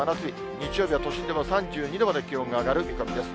日曜日は都心でも３２度まで気温が上がる見込みです。